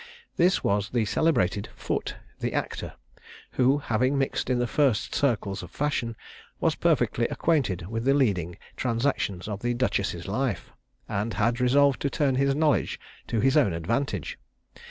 This was the celebrated Foote, the actor, who, having mixed in the first circles of fashion, was perfectly acquainted with the leading transactions of the duchess's life, and had resolved to turn his knowledge to his own advantage.